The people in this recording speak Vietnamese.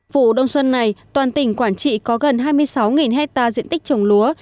vụ đông xuân này toàn tỉnh quảng trị có gần hai mươi sáu hectare diện tích trồng lúa